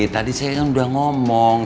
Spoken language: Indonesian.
tadi saya kan udah ngomong